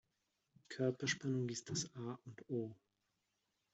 Körperspannung ist das A und O.